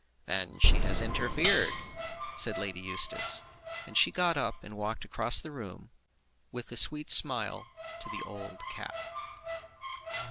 "Then she has interfered," said Lady Eustace, as she got up and walked across the room, with a sweet smile to the old cat.